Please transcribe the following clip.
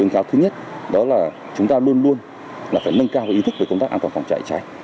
cái thứ nhất đó là chúng ta luôn luôn là phải nâng cao ý thức về công tác an toàn phòng cháy cháy